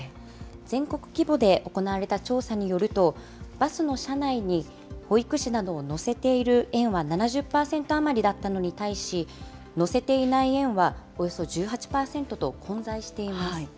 全国規模で行われた調査によると、バスの車内に保育士などを乗せている園は７０％余りだったのに対し、乗せていない園はおよそ１８％と混在しています。